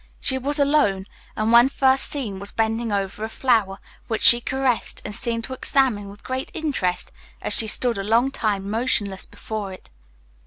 She was alone, and when first seen was bending over a flower which she caressed and seemed to examine with great interest as she stood a long time motionless before it.